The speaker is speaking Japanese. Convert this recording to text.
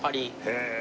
へえ。